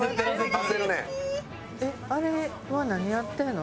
あれは何やってるの？